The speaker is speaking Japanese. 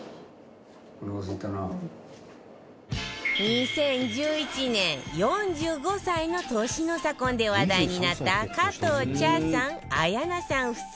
２０１１年４５歳の年の差婚で話題になった加藤茶さん綾菜さん夫妻